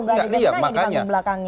gak ada jaminannya dipanggil belakangnya